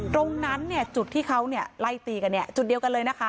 ตรงนั้นเนี่ยจุดที่เขาไล่ตีกันเนี่ยจุดเดียวกันเลยนะคะ